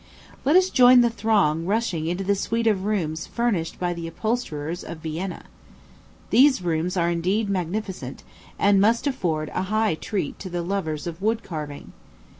Let us join the throng rushing into the suite of rooms furnished by the upholsterers of Vienna. These rooms are indeed magnificent, and must afford a high treat to the lovers of wood carving.